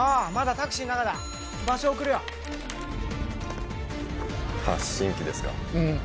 タクシーの中だ場所を送るよ発信機ですかうん